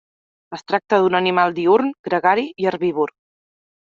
Es tracta d'un animal diürn, gregari i herbívor.